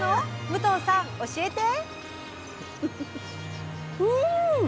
武藤さん教えて！